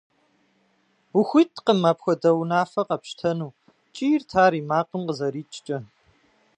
- Ухуиткъым апхуэдэ унафэ къэпщтэну! – кӀийрт ар и макъым къызэрикӀкӀэ.